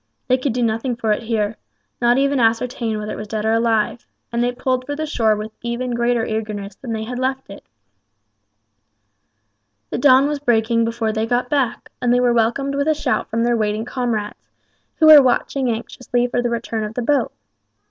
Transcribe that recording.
They could do nothing for it here, not even ascertain whether it was dead or alive; and they pulled for the shore with even greater eagerness than they had left it. The dawn was breaking before they got back, and they were welcomed with a shout from their waiting comrades, who were watching anxiously for the return of the boat.